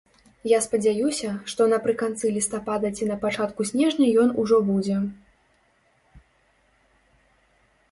Я спадзяюся, што напрыканцы лістапада ці на пачатку снежня ён ужо будзе.